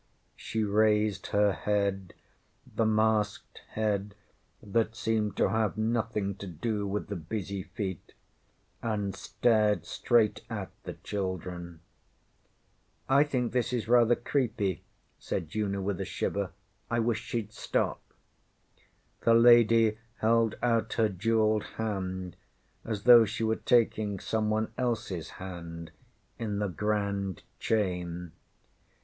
ŌĆÖ She raised her head the masked head that seemed to have nothing to do with the busy feet and stared straight at the children. ŌĆśI think this is rather creepy, ŌĆÖ said Una with a shiver. ŌĆśI wish sheŌĆÖd stop. ŌĆÖ The lady held out her jewelled hand as though she were taking some one elseŌĆÖs hand in the Grand Chain.